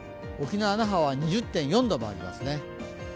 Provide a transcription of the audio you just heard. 沖縄・那覇は２０．４度もありますね。